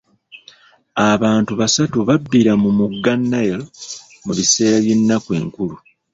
Abantu basatu babbira mu mugga Nile mu biseera by'ennaku enkulu.